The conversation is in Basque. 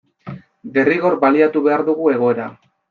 Derrigor baliatu behar dugu egoera.